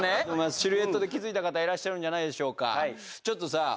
シルエットで気付いた方いらっしゃるんじゃないでしょうかちょっとさ